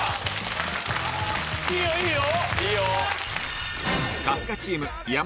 いいよいいよ！